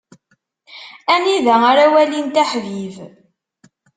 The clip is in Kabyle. Anida ara walint aḥbib.